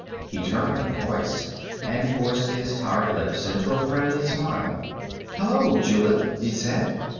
He turned at the voice and forced his tired lips into a friendly smile. "Hello, Julith," he said.